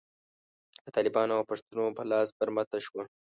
په طالبانو او پښتنو په لاس برمته شوه.